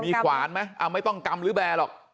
มีขวานไหมไม่ต้องกำหรือแบร์หรอก